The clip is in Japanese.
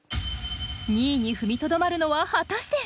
２位に踏みとどまるのは果たして。